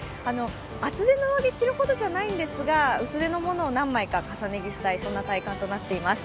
厚手の上着を着るほどじゃないんですが、薄手のものを何枚か重ね着したいそんな体感になっています。